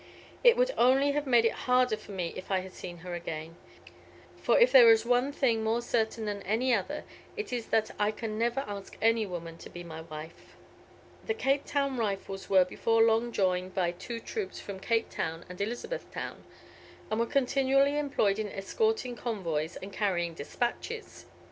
"It would only have made it harder for me if I had seen her again. For if there is one thing more certain than another, it is that I can never ask any woman to be my wife." The Cape Town Rifles were before long joined by two troops from Cape Town and Elizabeth Town, and were continually employed in escorting convoys and carrying despatches.